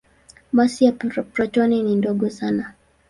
Masi ya protoni ni ndogo sana.